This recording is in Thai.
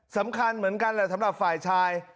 สำคัญเหมือนกันแหละสำหรับฝ่ายชาย